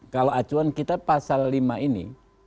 kalau acuan kita pasal lima ini